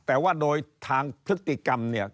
แต่ว่าโดยทางพฤติกรรมเนี่ย